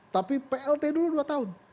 tapi plt dulu dua tahun